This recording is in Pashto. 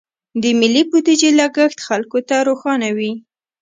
د ملي بودیجې لګښت خلکو ته روښانه وي.